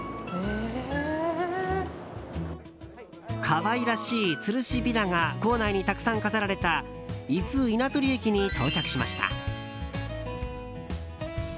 可愛らしいつるしびなが構内にたくさん飾られた伊豆稲取駅に到着しました。